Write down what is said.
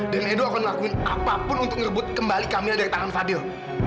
dan edo akan lakuin apapun untuk ngebut kembali kamila dari tangan fadil